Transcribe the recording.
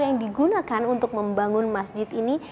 yang digunakan untuk membangun masjid ini